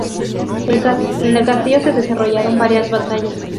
En el castillo se desarrollaron varias batallas.